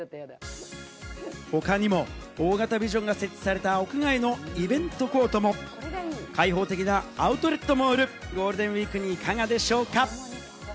他にも大型ビジョンが設置された屋外のイベントコートも開放的なアウトレットモール、ゴールデンウイークにいかがでしょうか？